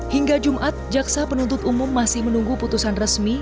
hingga jumat jaksa penuntut umum masih menunggu putusan resmi